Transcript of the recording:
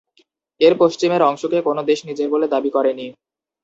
এর পশ্চিমের অংশকে কোন দেশ নিজের বলে দাবি করেনি।